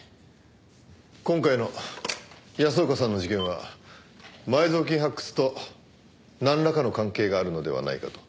今回の安岡さんの事件は埋蔵金発掘となんらかの関係があるのではないかと。